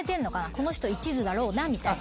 この人いちずだろうなみたいな。